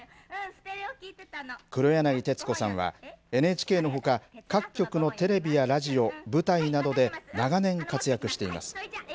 黒柳徹子さんは、ＮＨＫのほか、各局のテレビやラジオ、舞台などで長年、活躍しています。